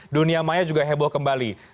dunia maya juga heboh kembali